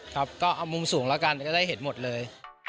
ก็มุมสูงละกันก็ได้เห็นหมดเลย